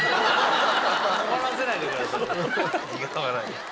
はい。